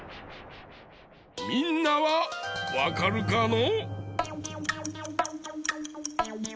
みんなはわかるかの？